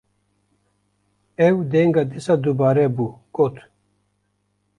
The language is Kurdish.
ew denga dîsa dubare bû, got: